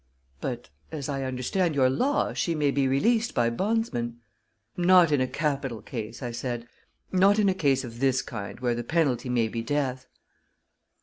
"But, as I understand your law, she may be released by bondsmen." "Not in a capital case," I said; "not in a case of this kind, where the penalty may be death."